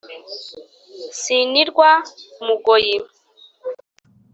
sinirwa m ugoyi